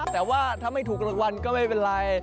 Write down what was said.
แต่ว่าถ้าไม่ถูกรางวัลก็ไม่เป็นไร